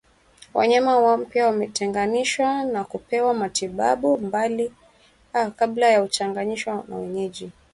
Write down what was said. Wanyama wampya watenganishwe na kupewa matibabu kabla ya kuchanganywa na wenyeji